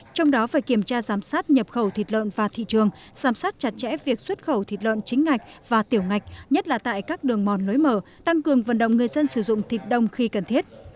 trong đó phải kiểm tra giám sát nhập khẩu thịt lợn và thị trường giám sát chặt chẽ việc xuất khẩu thịt lợn chính ngạch và tiểu ngạch nhất là tại các đường mòn lối mở tăng cường vận động người dân sử dụng thịt đông khi cần thiết